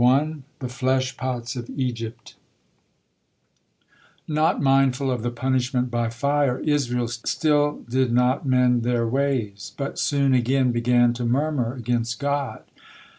THE FLESH POTS OF EGYPT Not mindful of the punishment by fire, Israel still did not mend their ways, but soon again began to murmur against God.